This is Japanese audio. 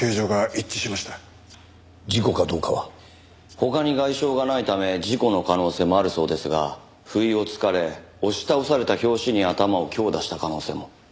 他に外傷がないため事故の可能性もあるそうですが不意を突かれ押し倒された拍子に頭を強打した可能性も。